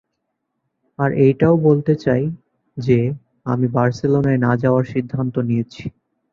আর এটাও বলতে চাই যে, আমি বার্সেলোনায় না যাওয়ার সিদ্ধান্ত নিয়েছি।